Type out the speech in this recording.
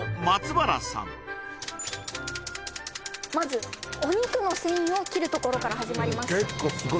まずお肉の繊維を切るところから始まります